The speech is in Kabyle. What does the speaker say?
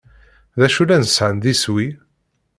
D acu llan sɛan d iswi?